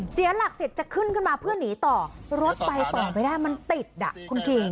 เสียหลักเสร็จจะขึ้นขึ้นมาเพื่อหนีต่อรถไปต่อไม่ได้มันติดอ่ะคุณคิง